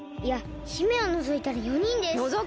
いや姫をのぞいたら４人です。